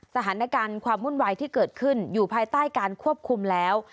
สถานการณ์ความวุ่นวายที่เกิดขึ้นอยู่ภายใต้การควบคุมแล้ว